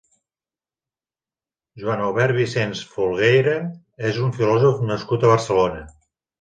Joan Albert Vicens Folgueira és un filòsof nascut a Barcelona.